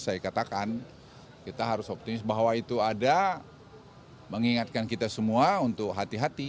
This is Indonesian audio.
saya katakan kita harus optimis bahwa itu ada mengingatkan kita semua untuk hati hati